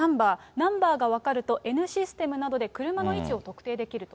ナンバーが分かるとＮシステムなどで車の位置を特定できると。